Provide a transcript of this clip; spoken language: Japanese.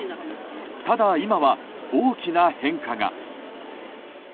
ただ、今は大きな変化が。